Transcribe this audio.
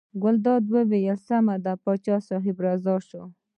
ګلداد وویل سمه ده پاچا صاحب راضي شو.